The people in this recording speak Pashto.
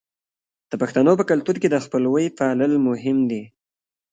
د پښتنو په کلتور کې د خپلوۍ پالل مهم دي.